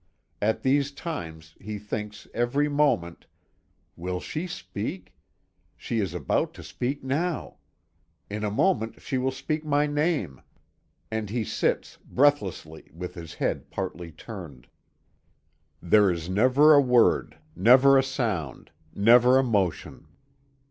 At these times he thinks every moment: "Will she speak? She is about to speak now. In a moment she will speak my name." And he sits breathlessly, with his head partly turned. There is never a word, never a sound, never a motion.